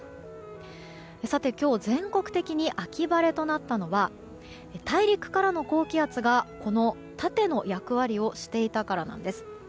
さて今日、全国的に秋晴れとなったのは大陸からの高気圧が盾の役割をしていたからです。